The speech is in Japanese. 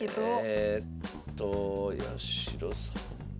えっと八代先生。